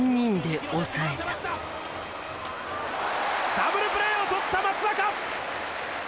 ダブルプレーを取った松坂！